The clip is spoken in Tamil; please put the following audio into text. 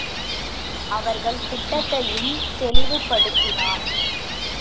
அவர்கள் திட்டத்தையும் தெளிவுபடுத்தினான்.